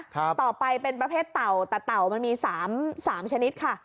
ต่อไปเป็นประเภทเต่าแต่เต่ามันมีสามสามชนิดค่ะ